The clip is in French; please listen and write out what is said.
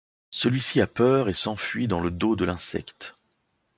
Celui-ci a peur et s'enfuit dans le dos de l'insecte.